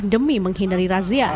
demi menghindari razia